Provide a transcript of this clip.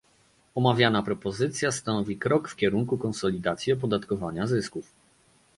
Omawiana propozycja stanowi krok w kierunku konsolidacji opodatkowania zysków